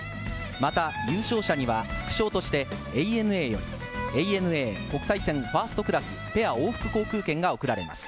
また、優勝者には副賞として、ＡＮＡよりＡＮＡ国際線ファーストクラス、ペア往復航空券が贈られます。